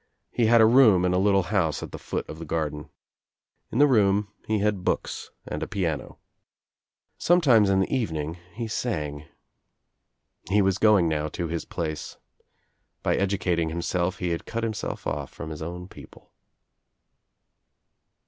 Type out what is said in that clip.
He had a room in a little house at the foot of the garden. In the room he had books and a piano. Sometimes in the evening he sang. He was going now to his place. By educating himself he had cut himself off from his own people.